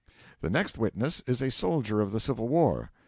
The next witness is a soldier of the Civil War.